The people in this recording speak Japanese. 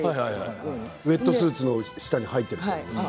ウエットスーツの下に入っている。